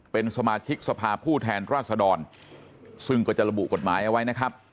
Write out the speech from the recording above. เป็นสมาชิกสภาผู้แทนราษดรซึ่งก็จะระบุกฎหมายเอาไว้นะครับ